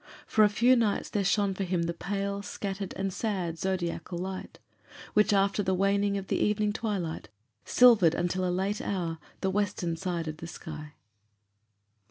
For a few nights there shone for him the pale, scattered, and sad zodiacal light, which, after the waning of the evening twilight, silvered until a late hour the western side of the sky.